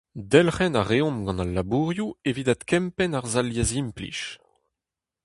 Delc'hen a reomp gant al labourioù evit adkempenn ar sal liezimplij.